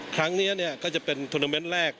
ครั้งนี้ก็จะเป็นธุรกิจแรก